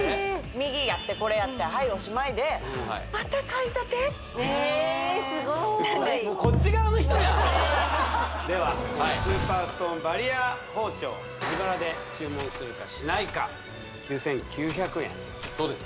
右やってこれやってはいおしまいですごーいもうこっち側の人やんではスーパーストーンバリア包丁自腹で注文するかしないか９９００円そうです